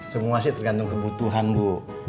semua sih tergantung kebutuhan bu